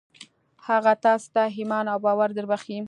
هغه تاسې ته ايمان او باور دربښي.